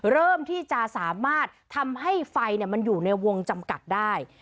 เริ่มที่จะสามารถทำให้ไฟมันอยู่ในวงจำกัดได้